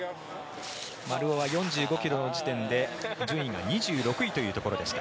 丸尾は４５ｋｍの地点で順位が２６位というところでした。